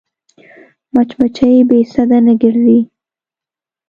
مچمچۍ بې سده نه ګرځي